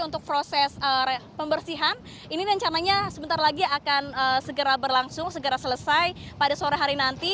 untuk proses pembersihan ini rencananya sebentar lagi akan segera berlangsung segera selesai pada sore hari nanti